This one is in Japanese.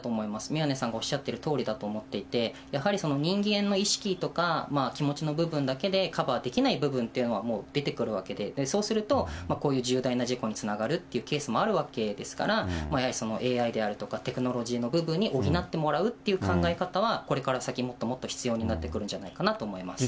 宮根さんがおっしゃってるとおりだと思っていて、やはりその、人間の意識とか気持ちの部分だけでカバーできない部分っていうのは、もう出てくるわけで、そうすると、こういう重大な事故につながるっていうケースもあるわけですから、やはりそのＡＩであるとか、テクノロジーの部分に補ってもらうって考え方は、これから先もっともっと必要になってくるんじゃないかなって思います。